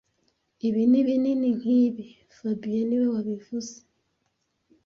Ibi ni binini nkibi fabien niwe wabivuze